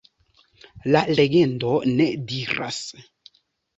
La legendo ne diras.